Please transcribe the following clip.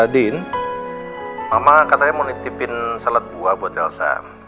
din mama katanya mau nitipin salad buah buat elsa